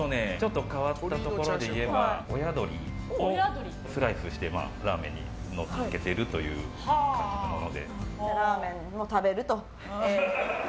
変わったところでいえば親鶏をスライスしてラーメンにのっけてるというもので。